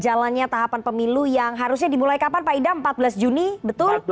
jalannya tahapan pemilu yang harusnya dimulai kapan pak idam empat belas juni betul